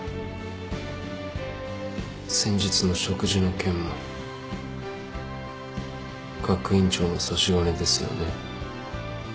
先日の食事の件も学院長の差し金ですよね？